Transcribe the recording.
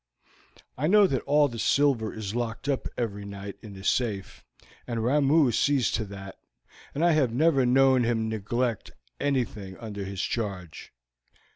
I know that all the silver is locked up every night in the safe, for Ramoo sees to that, and I have never known him neglect anything under his charge.